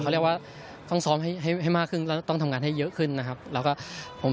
เขาเรียกว่าต้องซ้อมให้ให้มากขึ้นแล้วต้องทำงานให้เยอะขึ้นนะครับแล้วก็ผม